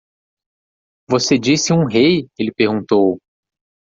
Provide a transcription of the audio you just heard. "Você disse um rei?" ele perguntou.